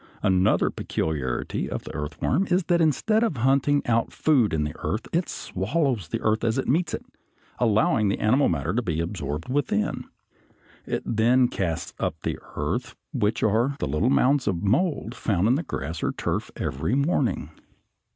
Another peculiarity of the earthworm is that instead of hunting out food in the earth it swallows the earth as it meets it, allowing the animal matter to be absorbed within. It then casts up the earth, which are the little mounds of mold found in the grass or turf every morning.